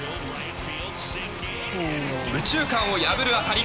右中間を破る当たり。